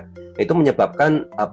jadi mereka menggunakan twitter